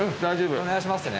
お願いしますね。